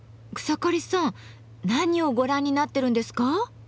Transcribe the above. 草刈さん何をご覧になってるんですか？